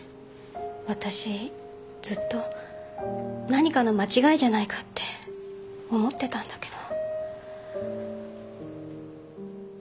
私ずっと何かの間違いじゃないかって思ってたんだけど。